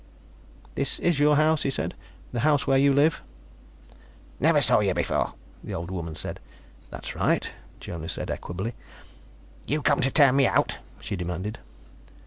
"This is your house?" he said. "The house where you live?" "Never saw you before," the old woman said. "That's right," Jonas said equably. "You come to turn me out?" she demanded.